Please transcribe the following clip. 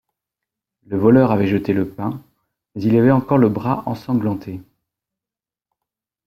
Le voleur avait jeté le pain, mais il avait encore le bras ensanglanté.